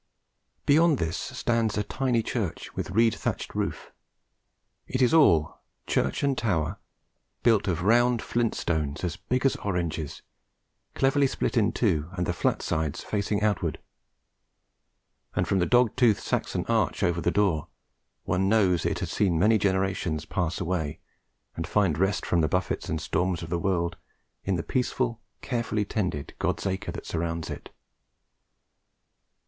Beyond this stands a tiny church, with reed thatch roof. It is all, church and tower, built of round flint stones as big as oranges, cleverly split in two and the flat side facing outwards; and from the dog tooth Saxon arch over the door one knows it has seen many generations pass away and find rest from the buffets and storms of the world in the peaceful, carefully tended "God's acre" that surrounds it.